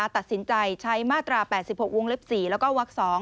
ตัดสินใจใช้มาตรา๘๖วงเล็บ๔แล้วก็วัก๒